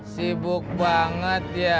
sibuk banget ya